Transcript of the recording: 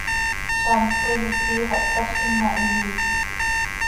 Zamt coi itii xah cötazquim ma, him iiye.